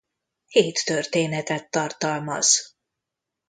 Hét történetet tartalmaz.